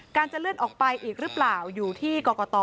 จะเลื่อนออกไปอีกหรือเปล่าอยู่ที่กรกต